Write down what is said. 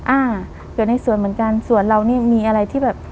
อ่าเกิดในสวนเหมือนกันสวนเรานี่มีอะไรที่แบบ